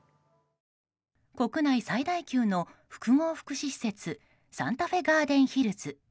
国内最大級の複合福祉施設サンタフェガーデンヒルズ。